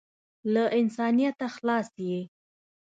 له انسانیته خلاص یې .